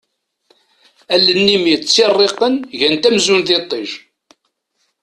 Allen-im yettirriqen gant amzun d iṭij.